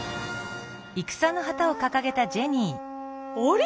あれ！？